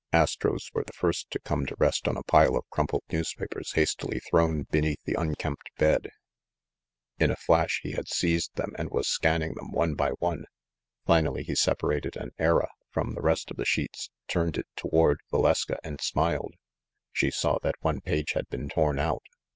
Astro's were the first to come to rest on a pile of crumpled newspapers hastily thrown beneath the unkempt bed. In a flash he had 56 THE MASTER OF MYSTERIES seized them and was scanning them one by one. Finally he separated an Era from the rest of the sheets, turned it toward Valeska, and smiled. She saw that one page had been torn out.